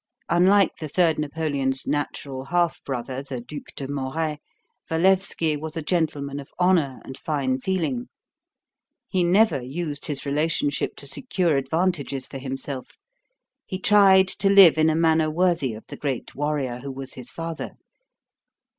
Unlike the third Napoleon's natural half brother, the Duc de Moray, Walewski was a gentleman of honor and fine feeling. He never used his relationship to secure advantages for himself. He tried to live in a manner worthy of the great warrior who was his father.